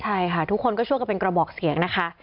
ใช่ค่ะทุกคนก็ช่วยกันเป็นกระบอกเสียงนะคะ